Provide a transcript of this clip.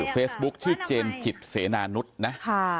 เฟซบุ๊คชื่อเจนจิตเสนานุษย์นะ